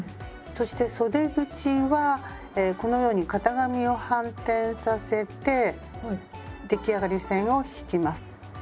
そしてそで口はこのように型紙を反転させて出来上がり線を引きます。